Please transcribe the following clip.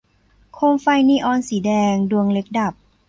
โคมไฟนีออนสีแดงดวงเล็กดับ